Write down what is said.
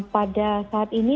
pada saat ini